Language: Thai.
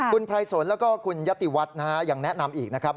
คุณพรายสนและคุณยติวัตรอย่างแนะนำอีกนะครับ